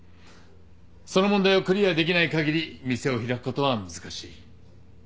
その問題をクリアできないかぎり店を開くことは難しい。